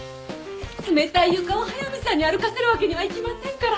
冷たい床を速見さんに歩かせるわけにはいきませんから。